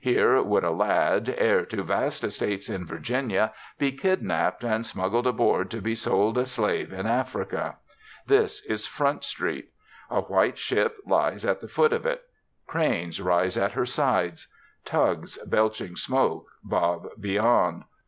Here would a lad, heir to vast estates in Virginia, be kidnapped and smuggled aboard to be sold a slave in Africa. This is Front Street. A white ship lies at the foot of it. Cranes rise at her side. Tugs, belching smoke, bob beyond.